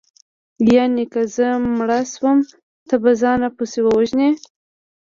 یانې که زه مړه شوم ته به ځان راپسې ووژنې